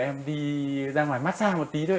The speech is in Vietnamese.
em đi ra ngoài massage một tí thôi